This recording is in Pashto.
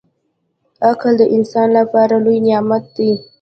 • عقل د انسان لپاره لوی نعمت دی.